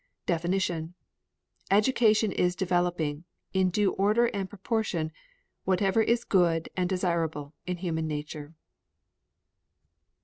Definition. Education is developing, in due order and proportion, whatever is good and desirable in human nature.